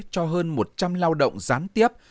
cho hơn một trăm linh lao động gián tiếp